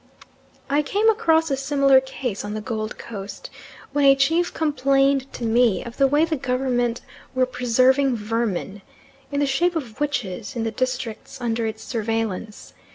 I came across a similar case on the Gold Coast, when a chief complained to me of the way the Government were preserving vermin, in the shape of witches, in the districts under its surveillance.